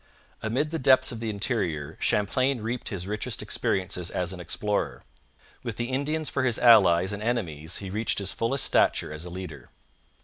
Amid the depths of the interior Champlain reaped his richest experiences as an explorer. With the Indians for his allies and enemies he reached his fullest stature as a leader.